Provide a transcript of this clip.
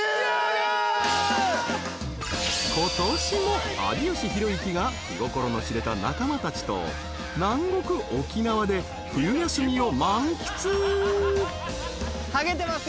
［今年も有吉弘行が気心の知れた仲間たちと南国沖縄で冬休みを満喫］